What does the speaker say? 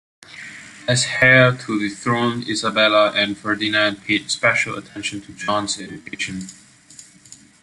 As heir to the throne Isabella and Ferdinand paid special attention to John's education.